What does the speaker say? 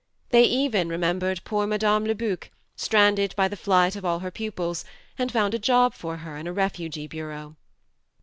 They even remembered poor Madame Lebuc, stranded by the flight of all her pupils, and found a job for her in a refugee bureau.